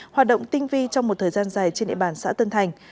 hoạt động tinh vi trong một thời gian dài trên địa bàn xã tân thành